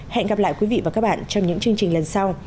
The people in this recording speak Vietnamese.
hẹn gặp lại quý vị và các bạn trong những chương trình lần sau